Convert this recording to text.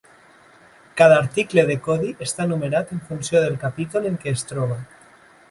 Cada article de codi està numerat en funció del capítol en què es troba.